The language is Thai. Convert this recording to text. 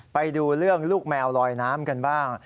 ไปดูเรื่องลูกแมวลอยน้ำกันบ้าง